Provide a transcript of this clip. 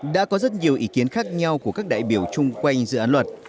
đã có rất nhiều ý kiến khác nhau của các đại biểu chung quanh dự án luật